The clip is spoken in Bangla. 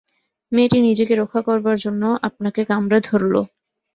মেয়েটি নিজেকে রক্ষা করবার জন্যে আপনাকে কামড়ে ধরল।